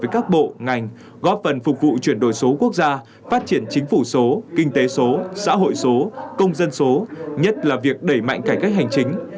với các bộ ngành góp phần phục vụ chuyển đổi số quốc gia phát triển chính phủ số kinh tế số xã hội số công dân số nhất là việc đẩy mạnh cải cách hành chính